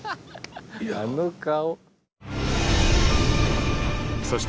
あの顔！